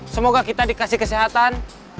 semoga kita dikasih kesehatan